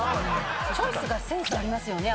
チョイスがセンスありますよね。